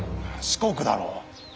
四国だろう。